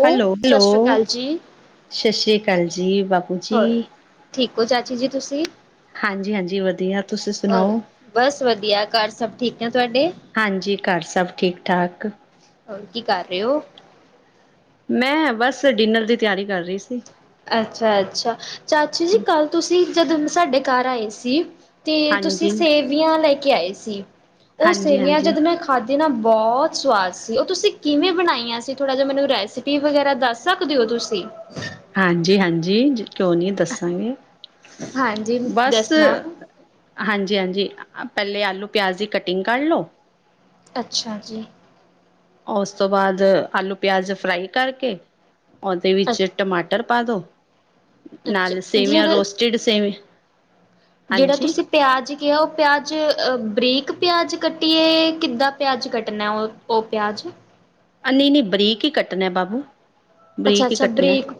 ਉਹ ਹੈਲੋ ਸਤਿ ਸ਼੍ਰੀ -ਹੈਲੋ ਅਕਾਲ ਜੀ ਸਤਿ ਸ੍ਰੀ ਅਕਾਲ ਜੀ, ਬਾਪੂ ਜੀ। ਹੋਰ ਠੀਕ ਹੋ ਚਾਚੀ ਜੀ ਤੁਸੀਂ ਹਾਂਜੀ- ਹਾਂਜੀ ਵਧੀਆ ਤੁਸੀਂ ਔਰ ਸੁਣਾਓ? ਬਸ ਵਧੀਆ ਘਰ ਸਭ ਠੀਕ ਨੇ ਤੁਹਾਡੇ ਹਾਂਜੀ, ਘਰ ਸਭ ਠੀਕ- ਠਾਕ ਹੋਰ ਕੀ, ਕਰ ਰਹੇ ਹੋ? ਮੈਂ ਬਸ ਡਿਨਰ ਦੀ, ਤਿਆਰੀ ਕਰ ਰਹੀ ਸੀ। ਅੱਛਾ-ਅੱਛਾ ਚਾਚੀ ਜੀ ਕੱਲ ਤੁਸੀਂ ਜਦਣ ਸਾਡੇ ਘੱਰ ਆਏ ਸੀ ਤੇ ਤੁਸੀਂ ਹਾਂਜੀ ਸੇਵੀਆਂ ਲੈ ਕੇ ਆਏ ਸੀ ਓ ਹਾਂਜੀ ਸੇਵੀਆਂ ਹਾਂਜੀ ਜਦ ਮੈਂ ਖਾਧੇ ਨਾ ਬੋਹਤ ਸਵਾਦ ਸੀ ਓ ਤੁਸੀਂ ਕਿਵੇਂ ਬਣਾਈਆਂ ਸੀ ਥੋੜ੍ਹਾ ਜੇਹਾ ਮੈਨੂੰ ਰੈਸਪੀ ਵਗੈਰਾ ਦੱਸ ਸਕਦੇ ਓ ਤੁਸੀਂ ਹਾਂਜੀ-ਹਾਂਜੀ ਕਿਉਂ ਨੀ ਦੱਸਾਂਗੇ। ਹਾਂਜੀ ਬਸ ਦੱਸਣਾ ਹਾਂਜੀ-ਹਾਂਜੀ ਪੈਲੇ ਆਲੂ-ਪਿਆਜ਼ ਦੀ ਕਟਿੰਗ ਕਰਲੋ ਅੱਛਾ ਜੀ। ਓਸ ਤੋਂ ਬਾਦ ਆਲੂ-ਪਿਆਜ਼ ਫਰਾਈ ਕਰਕੇ ਓਦੇ ਵਿੱਚ ਅੱਛਾ ਟਮਾਟਰ ਪਾਦੋ ਨਾਲ ਸੇਵੀਆਂ ਰੋਸਟਡ ਸੇਵ ਜੇੜਾ ਤੁਸੀਂ ਪਯਾਜ ਕੇਹਾ ਓ ਪਯਾਜ ਬਰੀਕ ਪਯਾਜ ਕੱਟੀਏ ਕਿੱਦਾਂ ਪਯਾਜ ਕੱਟਣਾ ਓ ਓ ਪਯਾਜ਼ ਅ ਨੀ-ਨੀ ਬਰੀਕ ਈ ਕੱਟਣਾ ਬਾਬੂ ਬਰੀਕ ਹੀ ਅੱਛਾ-ਅੱਛਾ ਕੱਟਣਾ ਬ੍ਰੀਕ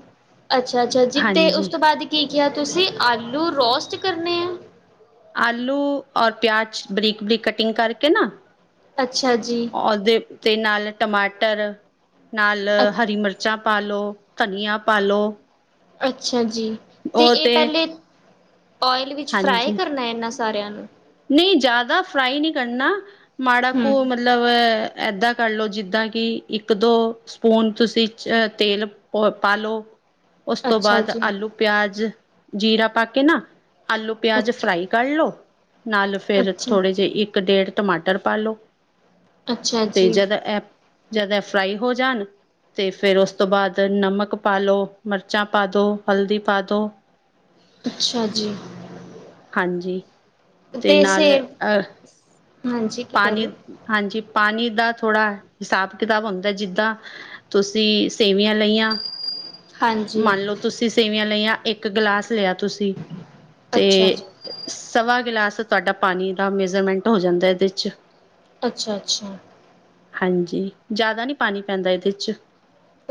ਅੱਛਾ-ਅੱਛਾ ਜੀ ਤੇ ਉਸ ਹਾਂਜੀ ਤੋਂ ਬਾਦ ਕੀ ਕੇਹਾ ਤੁਸੀਂ ਆਲੂ ਰੋਸਟ ਕਰਨੇ ਐ। ਆਲੂ ਔਰ ਪਯਾਜ ਬਰੀਕ-ਬਰੀਕ ਕਟਿੰਗ ਕਰਕੇ ਨਾ ਅੱਛਾ ਜੀ। ਓਦੇ ਉਤੇ ਈ ਨਾਲ ਟਮਾਟਰ ਨਾਲ ਅ ਹਰੀ ਮਰ ਚਾਂ ਪਾਾ ਲੋ ਤਨੀਆ ਪਾਾ ਲੋ। ਅੱਛਾ ਜੀ ਤੇ ਏ ਪੈਲੇ ਓਏਲ ਵਿੱਚ ਫਰਾਏ ਕਰਨਾ ਏਨਾ ਸਾਰੇਆਂ ਨੂੰ ਨੀ ਜਾਦਾ ਫਰਾਈ ਨੀ ਕਰਨਾ ਮਾੜਾ ਕੁ ਮ ਹੂੰ ਮਤਲਬ ਏਦਾਂ ਕਰਲੋ ਜਿੱਦਾਂ ਕਿ ਇੱਕ ਦੋ ਸਪੂਨ ਤੁਸੀਂ ਅਹ ਤੇਲ ਪ ਪਾਾਲੋ ਉਸ ਤੋਂ ਅੱਛਾ ਬਾਅਦ ਜੀ ਆਲੂ-ਪਿਆਜ਼ ਜੀਰਾ ਪਾ ਕੇ ਨਾ ਆਲੂ- ਪਿਆਜ ਅੱਛਾ ਫਰਾਈ ਕਢ ਲੋ ਨਾਲ ਫੇਰ ਅੱਛਾ ਥੋੜੇ ਜੇਹ ਇੱਕ-ਡੇਢ ਟਮਾਟਰ ਪਾ ਲੋ। ਅੱਛਾ ਤੇ ਜੀ ਜਦ ਐ ਜਦ ਐ ਫਰਾਈ ਹੋ ਜਾਣ ਤੇ ਫੇਰ ਓਸ ਤੋਂ ਬਾਅਦ ਨਮਕ ਪਾ ਦੋ, ਮਰਚਾਂ ਪਾ ਦੋ, ਹਲਦੀ ਪਾ ਦੋ। ਅੱਛਾ ਜੀ। ਹਾਂਜੀ। ਅਤੇ ਤੇ ਸੇ ਨਾਲ ਅ ਪਾਣੀ ਹਾਂਜੀ ਪਾਣੀ ਦਾ ਥੋੜ੍ਹਾ ਸਾਬ-ਕਿਤਾਬ ਹੁੰਦਾ ਜਿੱਦਾਂ ਤੁਸੀਂ ਸੇਮੀਆਂ ਲਈਆ ਹਾਂਜੀ ਮੰਨ ਲੋ ਤੁਸੀਂ ਸੇਮੀਆਂ ਲਈਆਂ ਇੱਕ ਗਲਾਸ ਲਯਾ ਤੁਸੀਂ ਤੇ ਅੱਛਾ ਜੀ ਸਵਾ ਗਿਲਾਸ ਤੁਆਡਾ ਪਾਣੀ ਦਾ ਮੇਜਰਮੈਂਟ ਹੋ ਜਾਂਦਾ ਏਦੇ ਚ ਅੱਛਾ-ਅੱਛਾ। ਹਾਂਜੀ ਜ਼ਿਆਦਾ ਨੀ ਪਾਣੀ ਪੈਂਦਾ ਇਦੇ ਚ।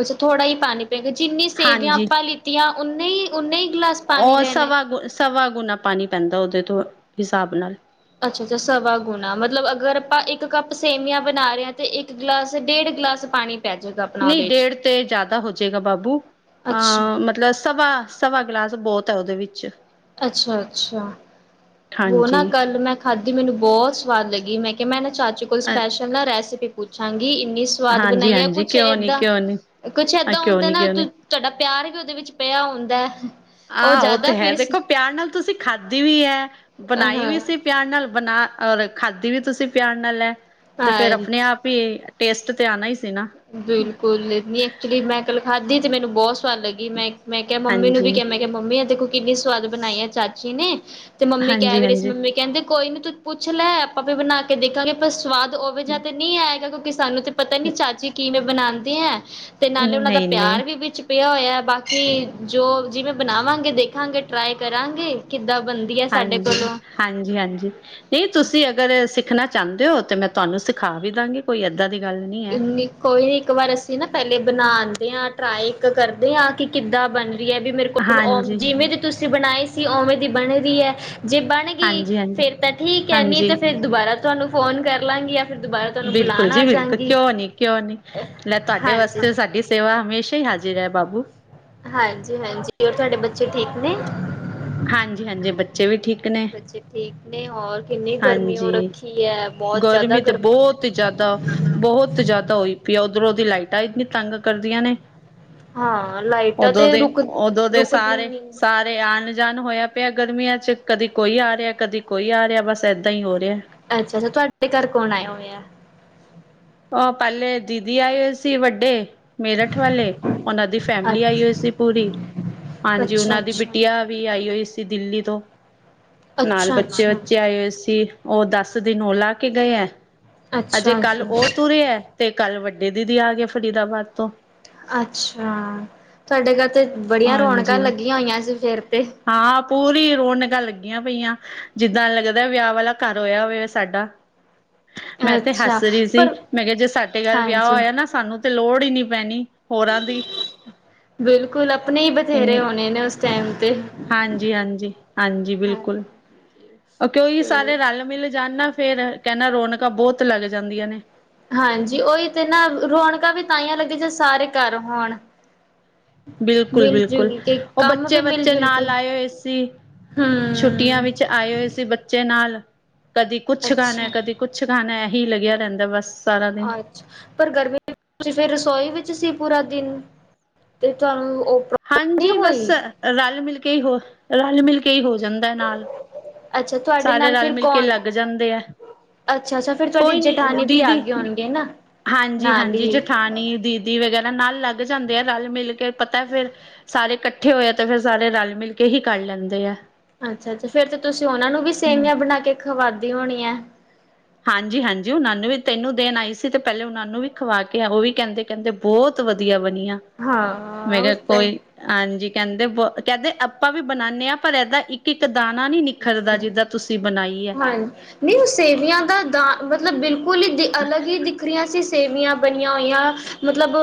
ਅੱਛਾ ਥੋੜਾ ਈ ਪਾਣੀ ਪਏਗਾ ਜਿੰਨੀ ਸੇਮੀਆਂ ਹਾਂਜੀ ਆਪਾਂ ਲਿੱਤੀਆਂ ਓਨੇ ਈ ਓਨੇ ਈ ਗਲਾਸ ਓ ਸਵਾ ਗੁ ਸਵਾ ਗੁਣਾ ਪਾਣੀ ਪੈਂਦਾ ਓਦੇ ਤੋਂ ਹਿਸਾਬ ਨਾਲ ਅੱਛਾ-ਅੱਛਾ ਸਵਾ ਗੁਣਾ ਮਤਲਬ ਅਗਰ ਆਪਾਂ ਇੱਕ ਕੱਪ ਸੇਵੀਆਂ ਬਣਾ ਰਹੇ ਆ ਤੇ ਇੱਕ ਗਲਾਸ ਡੇਢ ਗਲਾਸ ਪਾਣੀ ਪੈ ਜਾਏਗਾ ਆਪਣਾ ਨਹੀਂ ਉਹਦੇ ਚ ਡੇਢ ਤੇ ਜ਼ਿਆਦਾ ਹੋਜੇਗਾ ਬਾਬੂ ਅੱਛਾ, ਅਹ ਮਤਲਬ ਸਵਾ ਸਵਾ ਗਲਾਸ ਬੋਤ ਹੈ ਓਦੇ ਵਿੱਚ ਅੱਛਾ-ਅੱਛਾ। ਵੋ ਨਾ ਹਾਂਜੀ ਕੱਲ ਮੈਂ ਖਾਧੀ ਮੈਨੂੰ ਬੋਤ ਸਵਾਦ ਲੱਗੀ ਮੈਂ ਕਯਾ ਮੈਂ ਨਾ ਚਾਚੀ ਕੋਲ ਅ ਸਪੈਸ਼ ਲ ਨਾ ਰੈਸੀਪੀ ਪੁੱਛਾਂਗੀ ਇੰਨੀ ਸ ਸਵਾਦ ਬਨਾਈ ਏ ਹਾਂਜੀ-ਹਾਂਜੀ ਕੁਛ ਕਿਉਂ ਨੀ ਏਦਾਂ ਕਿਉਂ ਨੀ ਕੁਛ ਆ ਏਦਾਂ ਕਿਉਂ ਹੁੰਦਾ ਨੀ ਨਾ ਕਿਉਂ ਨੀ ਤੁਹਾਡਾ ਪਿਆਰ ਵੀ ਉਦੇ ਵਿੱਚ ਪਿਆ ਹੁੰਦਾ ਐ। ਹਾਂ ਓ ਤੇ ਹੈ ਦੇਖੋ ਪਿਆਰ ਨਾਲ ਤੁਸੀਂ ਖਾਧੀ ਵੀ ਐ ਬਨਾਈ ਵੀ ਹਾਂ ਸੀ ਪਿਆਰ ਨਾਲ ਬਨਾ ਔਰ ਖਾਧੀ ਵੀ ਤੁਸੀਂ ਪਿਆਰ ਨਾਲ ਐ ਤੇ ਫੇਰ ਹਾਂ ਅਪਨੇ ਆਪ ਵੀ ਟੇਸਟ ਤੇ ਆਨਾ ਈ ਸੀ ਨਾ। ਬਿਲਕੁਲ ਨੀ ਐਕਚੁਲੀ ਮੈਂ ਕੱਲ ਖਾਧੀ ਤੇ ਮੈਨੂੰ ਬੋਤ ਸਵਾਦ ਲੱਗੀ ਮੈਂ ਮੈਂ ਕਯਾ ਮੰਮੀ ਨੂੰ ਹਾਂਜੀ ਵੀ ਕਯਾ ਮੈਂ ਕਿ ਮੰਮੀ ਐ ਦੇਖੋ ਕਿੰਨੀ ਸਵਾਦ ਬਨਾਈ ਆ ਚਾਚੀ ਨੇ ਤੇ ਮੰਮੀ ਕਹਿ ਵੀ ਸੀ ਹਾਂਜੀ-ਹਾਂਜੀ ਮੰਮੀ ਕਹਿੰਦੇ ਕੋਈ ਨੀ ਤੂੰ ਪੁੱਛ ਲੈ ਆਪਾਂ ਵੀ ਬਨਾ ਕੇ ਦੇਖਾਂਗੇ ਪਰ ਸਵਾਦ ਓਵੇਂ ਜਾ ਤੇ ਨੀ ਆਏਗਾ ਕਿਉਂਕਿ ਸਾਨੂੰ ਤਾਂ ਪਤਾ ਨੀ ਚਾਚੀ ਕਿਵੇਂ ਬਨਾਂਦੇ ਐ ਤੇ ਨਾਲੇ ਓਨਾਂ ਦਾ ਨਹੀਂ-ਨਹੀਂ ਪਿਆਰ ਹਾਂਜੀ-ਹਾਂਜੀ-ਹਾਂਜੀ ਵੀ ਵਿੱਚ ਪਿਆ ਹੋਇਆ ਬਾਕੀ ਜੋ ਜਿਵੇਂ ਬਨਾਵਾਂਗੇ, ਦੇਖਾਂਗੇ ਟਰਾਈ ਕਰਾਂਗੇ ਕਿੱਦਾਂ ਬਨ ਹਾਂਜੀ, ਹਾਂਜੀ-ਹਾਂਜੀ। ਨਈ, ਤੁਸੀਂ ਅਗਰ ਸਿੱਖਨਾ ਚਾਂਦੇ ਓ ਤੇ ਮੈਂ ਤੁਹਾਨੂੰ ਸਿਖਾ ਵੀ ਦਾਂਗੀ ਕੋਈ ਏਦਾਂ ਦੀ ਗੱਲ ਨਹੀਂ ਹੈ ਇਨੀ ਕੋਈ ਨੀ, ਇੱਕ ਵਾਰ ਅਸੀਂ ਨਾ ਪਹਿਲੇ ਬਨਾਂਦੇ ਆਂ, ਟਰਾਈ ਇੱਕ ਕਰਦੇ ਆਂ ਕਿ ਕਿੱਦਾਂ ਬਨ ਰੀ ਐ ਵੀ ਮੇਰੇ ਹਾਂਜੀ ਜਿਵੇਂ ਦੀ ਤੁਸੀਂ ਬਣਾਈ ਸੀ, ਉਵੇਂ ਦੀ ਬਣ ਰੀ ਐ ਜੇ ਬਣ ਗੀ ਹਾਂਜੀ-ਹਾਂਜੀ ਹਾਂਜੀ ਫੇਰ ਤਾਂ ਠੀਕ ਐ ਨੀ ਤੇ ਹਾਂਜੀ ਫੇਰ ਦੁਬਾਰਾ ਤੁਹਾਨੂੰ ਫੋਨ ਕਰ ਲਾਂਗੀ। ਫਿਰ ਦੁਬਾਰਾ ਤੁਹਾਨੂੰ ਬਿਲਕੁਲ ਬੁਲਾਣ ਜੀ ਆ ਬਿਲਕੁਲ, ਜਾਂਗੀ। ਕਿਉਂ ਨੀ, ਕਿਉਂ ਨੀ। ਲੈ ਤੁਹਾਡੇ ਹਾਂਜੀ, ਵਾਸਤੇ ਸਾਡੀ ਸੇਵਾ ਹਮੇਸ਼ਾ ਈ ਹਾਜ਼ਰ ਐ ਬਾਬੂ। ਹਾਂਜੀ-ਹਾਂਜੀ, ਹੋਰ ਤੁਹਾਡੇ ਬੱਚੇ ਠੀਕ ਨੇ? ਹਾਂਜੀ-ਹਾਂਜੀ, ਬੱਚੇ ਵੀ ਠੀਕ ਨੇ। ਬੱਚੇ ਠੀਕ ਨੇ ਹੋਰ ਕਿੰਨੇ ਹਾਂਜੀ, ਗਰਮੀ ਤੇ ਬੋਤ ਈ ਜਾਦਾ ਬੋਹਤ ਜਾਦਾ ਹੋਈ ਪਈ ਆ, ਉਧਰੋਂ ਦੀ ਲਾਈਟਾਂ ਇੰਨੀ ਤੰਗ ਕਰਦੀਆਂ ਨੇ। ਹਾਂ ਲਾਈਟਾਂ ਓਦੋਂ ਤੇ ਦੇ, ਰੁਕ ਓਦੋਂ ਦੇ ਰੁਕਦੀਆਂ ਸਾਰੇ, ਨੀ ਸਾਰੇ ਤੇ ਆਨ ਜਾਨ ਹੋਇਆ ਪਿਆ ਗਰਮੀਆਂ 'ਚ ਕਦੀ ਕੋਈ ਆ, ਰਯਾ, ਕਦੀ ਕੋਈ ਆ ਰਯਾ ਬਸ ਏਦਾਂ ਹੀ ਹੋ ਰਯਾ। ਅੱਛਾ-ਅੱਛਾ, ਤੁਹਾਡੇ ਘਰ ਕੌਣ ਆਇਆ ਹੋਏਆ? ਓ ਪਹਿਲੇ ਦੀਦੀ ਆਏ ਹੋਏ ਸੀ ਵੱਡੇ। ਮੇਰਠ ਵਾਲੇ ਓਨਾਂ ਦੀ ਫੈਮਿਲੀ ਆਈ ਅੱਛਾ ਹੋਈ ਸੀ ਪੂਰੀ ਹਾਂਜੀ, ਅੱਛਾ ਓਨਾਂ ਦੀ ਅੱਛਾ ਬਿਟ ਟਿਆ ਵੀ ਆਈ ਹੋਈ ਸੀ ਦਿੱਲੀ ਤੋਂ, ਨਾਲ ਅੱਛਾ ਬੱਚੇ ਅੱਛਾ ਵੱਚੇ ਆਏ ਹੋਏ ਸੀ। ਓ ਦਸ ਦਿਨ ਓ ਲਾ ਕੇ ਗਏ ਐ ਅਜੇ ਅੱਛਾ ਕੱਲ੍ਹ ਜੀ [unintelligible] ਐ ਤੇ ਕੱਲ ਵੱਡੇ ਦੀਦੀ ਆ ਗਏ ਫਰੀਦਾਬਾਦ ਤੋਂ। ਅੱਛਾ, ਤੁਹਾਡੇ ਘਰ ਤੇ ਬੜੀਆਂ ਰੌਣਕਾਂ ਹਾਂਜੀ ਲੱਗੀਆਂ ਹੋਈਆਂ ਸੀ ਫਿਰ ਤੇ। ਹਾਂ, ਪੂਰੀ ਰੋਣਕਾਂ ਲੱਗੀਆਂ ਪਈਆਂ, ਜਿੱਦਾਂ ਲੱਗਦਾ ਵਿਆਹ ਵਾਲਾ ਘਰ ਹੋਇਆ ਹੋਵੇ ਸਾਡਾ। [unintelligible] ਮੈਂ ਤੇ ਅੱਛਾ ਹੱਸ ਰੀ ਸੀ ਪਰ ਮੈਂ ਕਯਾ, ਜੇ ਸਾਡੇ ਘਰ ਵਿਆਹ ਹਾਂਜੀ ਹੋਇਆ ਨਾ, ਸਾਨੂੰ ਤੇ ਲੋੜ ਈ ਨੀ ਪੈਨੀ। ਬਿਲਕੁਲ ਅਪਨੇ ਈ ਬਥੇਰੇ ਇੰਨੀ ਹੋਨੇ ਨੇ ਉਸ ਟਾਈਮ ਤੇ। ਹਾਂਜੀ, ਹਾਂਜੀ, ਹਾਂਜੀ ਬਿਲਕੁਲ। ਅਕੇ ਓਈ ਸਾਰੇ ਰਲ ਮਿਲ ਜਾਨ ਨਾ, ਫੇਰ ਕੈਨਾ ਰੌਨਕਾਂ ਬੋਤ ਲੱਗ ਜਾਂਦੀਆਂ ਨੇ। ਹਾਂਜੀ, ਓਈ ਤੇ ਨਾ, ਰੌਣਕਾਂ ਵੀ ਤਾਂਹੀਆਂ ਲੱਗਦੀ ਜੇ ਸਾਰੇ ਘਰ ਹੋਣ। ਮਿਲ ਬਿਲਕੁਲ-ਬਿਲਕੁਲ, ਜੁਲ ਕੇ ਓ ਕੰਮ ਵੀ ਮਿਲ ਬੱਚੇ-ਵੱਚੇ ਜੁਲ ਕੇ ਨਾਲ ਆਏ ਹੋਏ ਸੀ। ਛੁੱਟੀਆਂ ਹਮ ਵਿੱਚ ਆਏ ਹੋਏ ਸੀ ਬੱਚ ਬੱਚੇ ਨਾਲ ਕਦੀ ਕੁੱਛ ਖਾਨਾ ਐ, ਅੱਛਾ ਕਦੀ ਕੁੱਛ ਖਾਨਾ ਐ, ਏਹੀ ਲੱਗਿਆ ਰਹਿੰਦਾ ਬਸ। ਸਾਰਾ ਦਿਨ। ਅੱਛ ਪਰ ਗਰਮੀ ਤੇ ਫਿਰ ਰਸੋਈ ਵਿੱਚ ਸੀ ਪੂਰਾ ਦਿਨ ਤੇ ਤੁਹਾਨੂੰ ਉ ਹਾਂਜੀ, ਬਸ ਰਲ ਮਿਲ ਕੇ ਹੀ ਹੋ ਰਲ ਮਿਲ ਕੇ ਹੀ ਹੋ ਜਾਂਦਾ ਨਾਲ। ਅੱਛਾ ਤੁਹਾਡੇ ਸਾਰੇ ਨਾਲ ਰਲ ਫਿਰ ਮਿਲ ਕੇ ਕੌਣ ਲੱਗ ਜਾਂਦੇ ਹੈ। ਅੱਛਾ ਅੱਛਾ ਫਿਰ ਤੁਹਾਡੀ ਕੋਈ ਨੀ ਜੇਠਾਨੀ ਵੀ ਆ ਦੀਦੀ ਗਏ ਹੋਣਗੇ ਨਾ ਨਾਲ ਹਾਂਜੀ-ਹਾਂਜੀ ਹੀ ਜੇਠਾ ਣੀ, ਦੀਦੀ ਵਗੈਰਾ ਨਾਲ ਲੱਗ ਜਾਂਦੇ ਆ ਰਲ ਮਿਲ ਕੇ ਪਤਾ ਫੇਰ ਸਾਰੇ ਕੱਠੇ ਹੋਏ ਆ ਤੇ ਫਿਰ ਸਾਰੇ ਰਲ-ਮਿਲ ਕੇ ਹੀ ਕਰ ਲੈਂਦੇ ਆ। ਅੱਛਾ-ਅੱਛਾ, ਫੇਰ ਤੇ ਤੁਸੀ ਉਹਨਾ ਨੂੰ ਵੀ ਸੇਵੀਆ ਬਣਾ ਕੇ ਖਵਾਦੀ ਹੋਣੀਐ। ਹਾਂਜੀ-ਹਾਂਜੀ, ਉਹਨਾਂ ਨੂੰ ਵੀ ਤੈਨੂੰ ਦੇਨ ਆਈ ਸੀ ਤੇ ਪਹਿਲੇ ਉਹਨਾਂ ਨੂੰ ਵੀ ਖਵਾ ਕੇ ਉਹ ਵੀ ਕਹਿੰਦੇ-ਕਹਿੰਦੇ ਬਹੁਤ ਵਧੀਆ ਵ ਨਿਆ ਮੈਂ ਹਾਂ ਉਹ ਕਿਹਾ ਤੇ ਕੋਈ ਹਾਂਜੀ ਕਹਿੰਦੇ ਬ ਕਹਿੰਦੇ ਆਪਾਂ ਵੀ ਬਣਾਨੇ ਆ ਪਰ ਏਦਾ ਇੱਕ ਇੱਕ ਦਾਣਾ ਨੀ ਨਿਖਰਦਾ, ਜਿੱਦਾਂ ਤੁਸੀਂ ਬਣਾਈ ਹੈ। ਹਾਂਜ ਨੀ ਉਹ ਸੇਵੀਆਂ ਦਾ ਦ ਮਤਲਬ ਬਿਲਕੁਲ ਹੀ ਦੀ ਅਲੱਗ ਹੀ ਦਿਖ ਰਹੀਆ ਸੀ। ਸੇਵੀਆ ਬਣੀਆ ਹੋਈਆ ਮਤਲਬ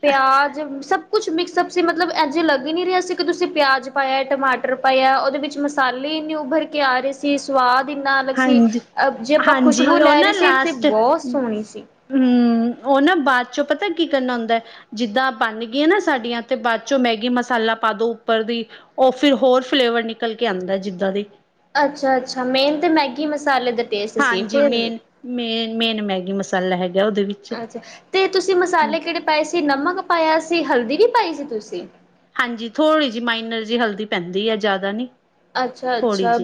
ਪਿਆਜ ਸਭ ਕੁਛ ਮਿਕਸਅਪ ਸੀ ਮਤਲਬ ਇਜ ਲੱਗ ਹੀ ਨੀ ਰਿਹਾ ਸੀ ਕਿ ਤੁਸੀਂ ਪਿਆਜ ਪਾਇਆ, ਟਮਾਟਰ ਪਾਇਆ ਉਹਦੇ ਵਿੱਚ ਮਸਾ ਲੈ ਇਨ੍ਹੀਂ ਉਭਰ ਕੇ ਆ ਰਹੇ ਸੀ ਸਵਾਦ ਇਨ੍ਹਾ ਅਲਗ ਸੀ ਹਾਂਜੀ। ਅ ਜੇ ਆਪਾਂ ਹਾਂਜੀ ਖੁਸ਼ਬੂ ਲੈ ਰਹੇ ਸੀ ਤੇ ਬੌਤ ਸੋਹਣੀ ਸੀ। ਹਮ ਉਹ ਨਾ ਬਾਦ ਚੋਂ ਪਤਾ ਕੀ ਕਰਨਾ ਹੁੰਦਾ ਜਿੱਦਾ ਬਣ ਗਈਆ ਨਾ ਸਾਡੀਆ ਤੇ ਬਾਦ ਚੋ ਮੈਗੀ ਮਸਾਲਾ ਪਾ ਦੋ ਉੱਪਰ ਦੀ। ਉਹ ਫਿਰ ਹੋਰ ਫਲੇਵਰ ਨਿਕਲ ਕੇ ਆਦਾ ਜਿੱਦਾ ਦੀ। ਅੱਛਾ-ਅੱਛਾ ਮੇਨ ਤੇ ਮੈਗੀ ਮਸਾਲੇ ਦੇ ਟੇਸਟ ਸੀ ਹਾਂਜੀ ਪਰ ਮੇਨ ਮੇਨ-ਮੇਨ ਮੈਗੀ ਮਸਾਲਾ ਹੈਗਾ ਉਹਦੇ ਵਿੱਚ ਅੱਛਾ ਤੇ ਤੁਸੀਂ ਹੂੰ ਮਸਾਲੇ ਕਿਹੜੇ ਪਏ ਸੀ ਨਮਕ ਪਾਇਆ ਸੀ, ਹਲਦੀ ਵੀ ਪਾਈ ਸੀ ਤੁਸੀਂ? ਹਾਂਜੀ ਥੋੜ੍ਹੀ ਜਿਹੀ ਮਾਈਨਰ ਜੀ ਹਲਦੀ ਪੈਂਦੀ ਹੈ ਜਾਦਾ ਨੀ। ਅੱਛਾ-ਅੱਛਾ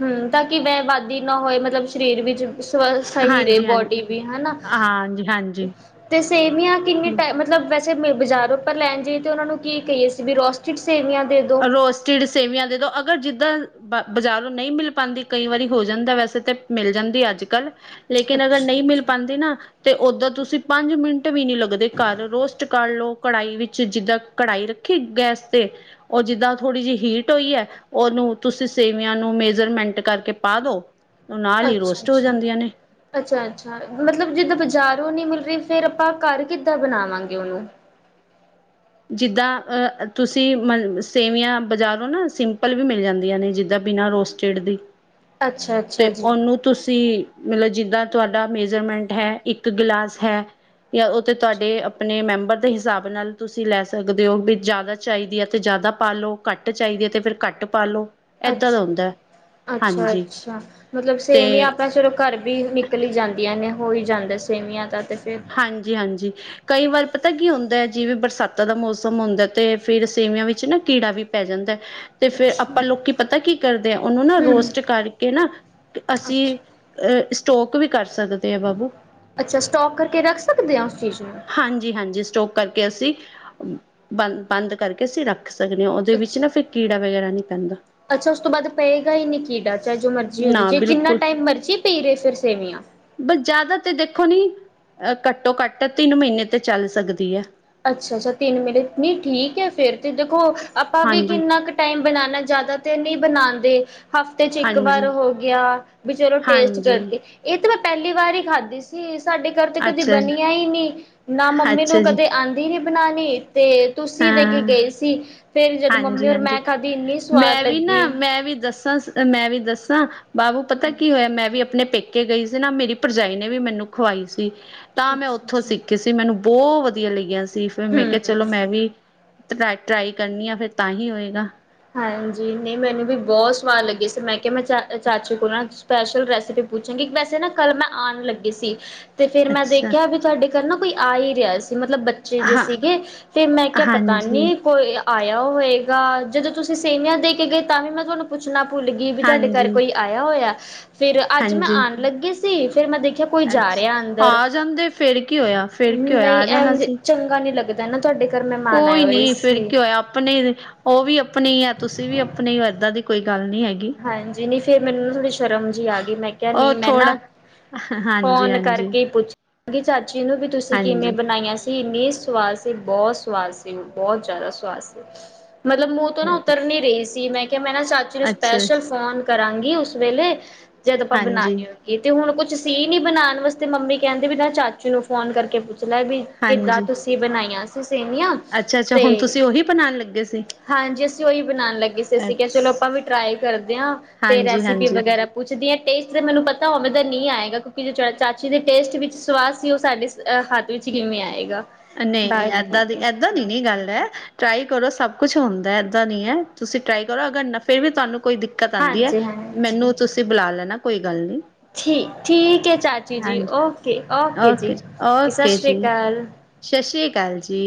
ਹਮ ਤਾਂ ਕਿ ਵੈ ਵਾਦੀ ਨਾ ਹੋਏ ਮਤਲਬ ਸਰੀਰ ਵਿੱਚ। ਸ ਸਹੀ ਰਹੇ ਹਾਂਜੀ ਬੋਡੀ ਹਾਂਜੀ ਵੀ ਹਨਾ ਹਾਂਜੀ ਹਾਂਜੀ ਤੇ ਸੇਵੀਆ ਕਿੰਨੀ ਟਮ ਮਤਲਬ ਵੈਸੇ ਬਾਜ਼ਾਰੋਂ ਪਾ ਲੈਣ ਜਈਏ ਤੇ ਉਹਨਾਂ ਨੂੰ ਕੀ ਕਹੀਏ ਸੀ ਵੀ ਰੋਸਟਿਡ ਸੇਵੀਆ ਦੇ ਦੋ ਰੋਸਟਿਡ ਸੇਵੀਆ ਦੇਦੋ ਅਗਰ ਜਿੱਦਾ ਬਾ ਬਾਜ਼ਾਰੋ ਨਈ ਮਿਲ ਪਾਦੀ ਕਈ ਵਾਰੀ ਹੋ ਜਾਂਦਾ ਵੈਸੇ ਤੇ ਮਿਲ ਜਾਂਦੀ ਅੱਜ ਕੱਲ। ਲੇਕਿਨ ਅਗਰ ਨਈ ਮਿਲ ਪਾਂਦੀ ਨਾ ਤੇ ਓਦਾ ਤੁਸੀਂ ਪੰਜ ਮਿੰਟ ਵੀ ਨਈ ਲੱਗਦੇ ਘਰ ਰੋਸਟ ਕਰ ਲਓ ਕੜਾਹੀ ਵਿੱਚ ਜਿੱਦਾਂ ਕਢਾਈ ਰੱਖੀ ਗੈਸ ਤੇ ਉਹ ਜਿੱਦਾਂ ਥੋੜ੍ਹੀ ਜਿਹੀ ਹੀਟ ਹੋਈ ਹੈ ਉਹਨੂੰ ਤੁਸੀਂ ਸੇਵੀਆ ਨੂੰ ਮੇਜਰਮੈਂਟ ਕਰਕੇ ਪਾ ਦੋ। ਉਹ ਨਾਲ ਹੀ ਰੋਸਟ ਹੋ ਅੱਛਾ-ਅੱਛਾ ਜਾਂਦੀਆਂ ਨੇ ਅੱਛਾ-ਅੱਛਾ ਮਤਲਬ ਜਿੱਦਾ ਬਾਜ਼ਾਰੋ ਨੀ ਮਿਲ ਰਹੀ ਫੇਰ ਆਪਾ ਘਰ ਕਿੱਦਾ ਬਣਾਵਾਂਗੇ ਉਹਨੂੰ। ਜਿੱਦਾਂ ਤੁਸੀਂ ਮ ਸੇਵੀਆ ਬਜ਼ਾਰੋ ਨਾ ਸਿੰਪਲ ਵੀ ਮਿਲ ਜਾਂਦੀਆ ਨੇ ਜਿੱਦਾ ਬਿਨਾ ਰੋਸਟ ਚਿੜਦੀ ਤੇ ਅੱਛਾ-ਅੱਛਾ ਜੀ ਉਹਨੂੰ ਤੁਸੀਂ ਮਤਲਬ ਜਿੱਦਾਂ ਤੁਹਾਡਾ ਮੇਜਰਮੈਂਟ ਹੈ ਇੱਕ ਗਿਲਾਸ ਹੈ ਜਾਂ ਉਹ ਤਾਂ ਤੁਹਾਡੇ ਆਪਣੇ ਮੈਂਬਰ ਦੇ ਹਿਸਾਬ ਨਾਲ ਤੁਸੀਂ ਲੈ ਸਕਦੇ ਹੋ ਵੀ ਜਾਦਾ ਚਾਹੀਦੀ ਹੈ ਤੇ ਜਾਦਾ ਪਾ ਲੋ ਘੱਟ ਚਾਹੀਦੀ ਹੈ ਤੇ ਫਿਰ ਘੱਟ ਪਾ ਲੋ। ਅੱਛ ਅੱਛਾ-ਅੱਛਾ ਮਤਲਬ ਸੇਵੀਆ ਤੇ ਆਪਾ ਚਲੋ ਘਰ ਵੀ ਨਿਕਲ ਜਾਂਦੀਆ ਨੇ ਹੋ ਹੀ ਜਾਂਦਾ ਸੇਵੀਆ ਦਾ ਤਾਂ ਫੇਰ। ਹਾਂਜੀ-ਹਾਂਜੀ ਕਈ ਵਾਰ ਪਤਾ ਕੀ ਹੁੰਦਾ ਹੈ ਜਿਵੇਂ ਬਰਸਾਤਾਂ ਦਾ ਮੌਸਮ ਹੁੰਦਾ ਤੇ ਫੇਰ ਸੇਵੀਆ ਵਿੱਚ ਨਾ ਕੀੜਾ ਵੀ ਪੈ ਜਾਂਦਾ। ਤੇ ਫੇਰ ਅੱਛਾ ਆਪਾਂ ਲੋਕੀ ਪਤਾ ਕੀ ਕਰਦੇ ਆ ਉਹਨੂੰ ਨਾ ਹੂੰ ਰੋਸਟ ਕਰਕੇ ਨਾ ਅਸੀਂ ਅੱਛਾ। ਅ ਸਟੋਕ ਵੀ ਕਰ ਸਕਦੇ ਆ ਬਾਬੂ। ਅੱਛਾ ਸਟੋਕ ਕਰਕੇ ਰੱਖ ਸਕਦੇ ਆਂ ਉਸ ਚੀਜ਼ ਨੂੰ? ਹਾਂਜੀ, ਹਾਂਜੀ ਸਟੋਕ ਕਰਕੇ ਅਸੀਂ ਬੰਦ ਬੰਦ ਕਰਕੇ ਅਸੀਂ ਰੱਖ ਖ ਸਕਦੇ ਆਂ ਓਦੇ ਅੱਛ ਵਿੱਚ ਨਾ ਫਿਰ ਕੀੜਾ ਵਗੈਰਾ ਨਈ ਪੈਂਦਾ। ਅੱਛਾ ਉਸ ਤੋਂ ਬਾਅਦ ਪਏਗਾ ਈ ਨੀ ਕੀੜਾ ਚਾਏ ਜੋ ਮਰਜ਼ੀ ਹੋ ਜੇ ਨਾ ਜੇ ਜਿੰਨਾ ਬਿਲਕੁਲ ਟਾਈਮ ਮਰਜ਼ੀ ਪਈ ਰਏ ਫਿਰ ਸੇਵੀਆਂ। ਬ ਜ਼ਿਆਦਾ ਤੇ ਦੇਖੋ ਨੀ ਅ ਘੱਟੋ ਘੱਟ ਤਿੰਨ ਮੀਨੇ ਤੇ ਚੱਲ ਸਕਦੀ ਐ। ਅੱਛਾ ਅੱਛਾ ਤਿੰਨ ਮੀਨੇ ਨਈ ਠੀਕ ਐ ਫੇਰ ਤੇ ਦੇਖੋ ਆਪਾਂ ਵੀ ਕਿੰਨਾ ਕੁ ਟਾਈਮ ਬਣਾਣਾ ਜ਼ਿਆਦਾ ਤੇ ਨਈ ਬਣਾਂਦੇ। ਹਫ਼ਤੇ ਚ ਇੱਕ ਵਾਰ ਹਾਂਜੀ-ਹਾਂਜੀ-ਹਾਂਜੀ ਹੋ ਗਿਆ ਵੀ ਫੇਰ ਓ ਟੇਸਟ ਕਰਕੇ ਏ ਤੇ ਮੈਂ ਪੈਲੀ ਵਾਰ ਈ ਖਾਧੀ ਸੀ ਸਾਡੇ ਘਰ ਚ ਕਦੀ ਅੱਛਾ ਜੀ। ਬਣੀਆਂ ਈ ਨਈ ਨਾ ਮੰਮੀ ਅੱਛਾ ਨੂੰ ਕ ਜੀ ਆਂਦੀ ਨੀ ਬਣਾਣੀ ਤੇ ਤੁਸੀਂ ਦੇ ਕੇ ਹਾਂ ਗਏ ਸੀ ਫੇਰ ਜਦ ਮੰਮੀ ਓਰ ਹਾਂਜੀ-ਹਾਂਜੀ ਮੈਂ ਖਾਧੀ ਇੰਨੀ ਸਵਾਦ ਮੈਂ ਵੀ ਨਾ ਲੱਗੀ ਮੈਂ ਵੀ ਦੱਸਾਂ, ਮੈਂ ਵੀ ਦੱਸਾਂ ਬਾਬੂ ਪਤਾ ਕੀ ਹੋਇਆ ਮੈਂ ਵੀ ਆਪਣੇ ਪੇਕੇ ਕੇ ਗਈ ਸੀ ਨਾ ਮੇਰੀ ਭਰਜਾਈ ਨੇ ਵੀ ਮੈਨੂੰ ਖਵਾਈ ਸੀ ਤਾਂ ਮੈਂ ਓਥੋਂ ਅੱਛਾ-ਅੱਛਾ, ਸਿੱਖੀ ਸੀ। ਤੇ ਮੈਨੂੰ ਬੌ ਵਧੀਆ ਲੱਗੀਆਂ ਸੀ ਫਿਰ ਮੈਂ ਕਿਆ ਹੂੰ। ਚਲੋ ਮੈਂ ਵੀ ਟ ਟਰਾਈ ਕਰਨੀ ਆ ਫੇਰ ਤਾਂ ਹੀ ਹੋਏਗਾ। ਹਾਂਜੀ ਨਈ ਮੈਨੂੰ ਵੀ ਬੌ ਸਵਾਦ ਲੱਗੀ ਸੀ ਮੈਂ ਕਿਆ ਮੈਂ ਚਾ ਚਾਚੂ ਕੋ ਨਾ ਸਪੈਸ਼ਲ ਰੈਸਿਪੀ ਪੁੱਛਾਂਗੀ ਵੈਸੇ ਨਾ ਕੱਲ ਮੈਂ ਆਣ ਈ ਲੱਗੀ ਸੀ ਤੇ ਫੇਰ ਮੈਂ ਅੱਛਾ ਦੇਖਿਆ ਵੀ ਤਾਡੇ ਘਰ ਨਾ ਕੋਈ ਆ ਈ ਰਿਆ ਸੀ ਮਤਲਬ ਬੱਚ ਜੇ ਹਾਂ ਸੀਗੇ ਫੇਰ ਮੈਂ ਕਿਆ ਪਤਾ ਹਾਂਜੀ ਨੀ ਕੋਈ ਆਇਆ ਹੋਏਗਾ ਜਦੋਂ ਤੁਸੀਂ ਸੇੰਵੀਆਂ ਦੇ ਕੇ ਗਏ ਤਾਂ ਵੀ ਮੈਂ ਤੁਆਨੂੰ ਪੁੱਛਣਾ ਭੁੱਲ ਗਈ ਵੀ ਤਾਡੇ ਘਰ ਹਾਂਜੀ ਕੋਈ ਆਇਆ ਹੋਇਆ? ਫਿਰ ਅੱਜ ਮੈਂ ਹਾਂਜੀ ਆਣ ਲੱਗੀ ਸੀ ਫੇਰ ਮੈਂ ਦੇਖਿਆ ਕੋਈ ਜਾ ਅੱਛਾ ਰਿਆ ਅੰਦਰ ਆ ਜਾਂਦੇ ਫੇਰ ਕੀ ਹੋਇਆ ਫੇਰ ਕੀ ਹੋਇਆ ਨਈ ਆ ਜਾਣਾ ਐਂਜ ਸੀ ਚੰਗਾ ਨੀ ਲੱਗਦ ਕੈਨਾ ਤਾਡੇ ਘਰ ਮੈਂ ਕੋਈ ਨੀ ਫਿਰ ਕੀ ਹੋਇਆ ਆਪਣੇ ਈ ਨੇ ਓ ਵੀ ਆਪਣੀ ਐ ਤੁਸੀਂ ਵੀ ਆਪਣੇ ਓ ਏਦਾਂ ਦੀ ਕੋਈ ਗੱਲ ਨੀ ਐ ਹਾਂਜੀ ਨੀ ਫੇਰ ਮੈਨੂੰ ਥੋੜੀ ਸ਼ਰਮ ਜੀ ਆ ਗਈ ਮੈਂ ਕਿਆ ਉਹ ਨਈ ਮੈਂ ਨਾ ਥੋੜਾ ਹਾਂਜੀ ਫੋਨ ਹਾਂਜੀ ਕਰਕੇ ਪੁੱਛ ਚਾਚੀ ਨੂੰ ਵੀ ਤੁਸੀਂ ਕਿਵੇਂ ਹਾਂਜੀ ਬਣਾਈਆਂ ਸੀ? ਇੰਨੀ ਸਵਾਦ ਸੀ, ਬਹੁਤ ਸਵਾਦ ਸੀ ਬੌਤ ਜਾਦਾ ਸਵਾਦ ਸੀ ਮਤਲਬ ਮ ਤੋਂ ਨਾ ਉਤਰ ਨਈ ਰਈ ਸੀ ਮੈਂ ਕਿਆ ਮੈਂ ਕੇਆ ਮੈਂ ਨਾ ਚਾਚੀ ਨੂੰ ਅੱਛਾ ਸਪੈਸ਼ਲ ਫੋਨ ਕਰਾਂਗੀ ਉਸ ਵੇਲੇ ਜਦ ਪਾ ਬਣਾ ਹਾਂਜੀ ਲਿਓ। ਏ ਤੇ ਹੁਣ ਕੁਛ ਸੀ ਨੀ ਬਣਾਣ ਵਾਸਤੇ ਮੰਮੀ ਕੈਂਦੇ ਵੀ ਨਾ ਚਾਚੂ ਨੂੰ ਫੋਨ ਕਰਕੇ ਪੁੱਛ ਲੈ ਵੀ ਕਿੱਦਾਂ ਹਾਂਜੀ ਤੁਸੀਂ ਬਣਾਈਆਂ ਸੀ ਸੇਵੀਆਂ। ਅੱਛਾ ਅੱਛਾ ਤੇ ਹੁਣ ਤੁਸੀਂ ਉਹੀ ਬਣਾਉਣ ਲੱਗੇ ਸੀ ਹਾਂਜੀ ਅਸੀਂ ਓਈ ਬਣਾਣ ਲੱਗੇ ਸੀ ਅਸੀਂ ਕੇਆ ਅੱਛ ਚਲੋ ਆਪਾਂ ਵੀ ਟਰਾਈ ਕਰਦੇ ਆਂ ਤੇ ਹਾਂਜੀ ਰੈਸਿਪੀ ਹਾਂਜੀ ਵਗੈਰਾ ਪੁੱਛਦੀ ਆਂ ਟੇਸਟ ਤੇ ਮੈਨੂੰ ਪਤਾ ਉਵੇਂ ਦਾ ਨਈ ਆਏਗਾ ਕਿਉਂਕਿ ਜੋ ਚ ਚਾਚੀ ਦੇ ਟੇਸਟ ਵਿੱਚ ਸਵਾਦ ਸੀ ਓ ਸਾਡੇ ਅ ਹੱਥ ਵਿੱਚ ਕਿਵੇਂ ਆਏਗਾ। ਨਈ ਨੀ ਏਦਾਂ ਦੀ ਇਦ ਬਾਕੀ ਇਦਾਂ ਦੀ ਨੀ ਗੱਲ ਐ ਟਰਾਈ ਕਰੋ ਸਭ ਕੁਛ ਹੁੰਦਾ ਏ ਏਦਾਂ ਨੀ ਐ ਤੁਸੀਂ ਟਰਾਈ ਕਰੋ ਅਗਰ ਫੇਰ ਵੀ ਤਾਨੂੰ ਕੋਈ ਦਿਕ ਕਤ ਆਂਦੀ ਐ ਹਾਂਜੀ ਹਾਂਜੀ ਮੈਨੂੰ ਤੁਸੀਂ ਬੁਲਾ ਲੈਣਾ ਕੋਈ ਗੱਲ ਨੀ। ਠੀਕ ਠੀਕ ਏ ਚਾਚੀ ਜੀ ਓਕੇ ਓਕੇ ਜੀ ਸਾਸ਼੍ਰੀਆਕਾਲ। ਸਾਸ਼੍ਰੀਆਕਾਲ ਜੀ।